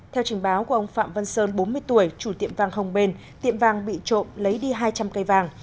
theo trình báo của ông phạm văn sơn bốn mươi tuổi chủ tiệm vàng hồng bền tiệm vàng bị trộm lấy đi hai trăm linh cây vàng